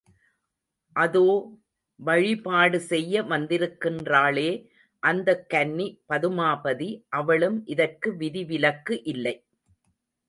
அதோ வழிபாடு செய்ய வந்திருக்கின்றாளே அந்தக் கன்னி பதுமாபதி, அவளும் இதற்கு விதிவிலக்கு இல்லை.